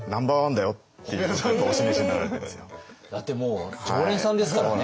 だってもう常連さんですからね。